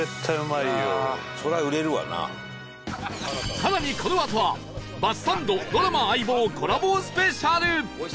更にこのあとはバスサンドドラマ『相棒』コラボスペシャル